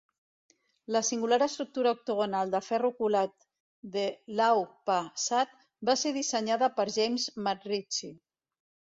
La singular estructura octogonal de ferro colat de Lau Pa Sat va ser dissenyada per James MacRitchie.